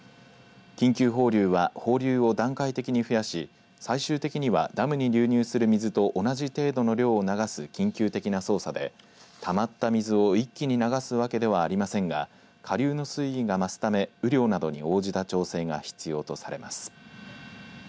緊急放流は放流を段階的に増やし最終的にはダムに流入する水と同じ程度の量を流す緊急的な操作でたまった水を一気に流すわけではありませんが下流の水位が増すため雨量などに応じた調整が必要とされます。